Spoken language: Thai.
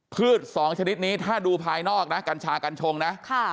สองชนิดนี้ถ้าดูภายนอกนะกัญชากัญชงนะ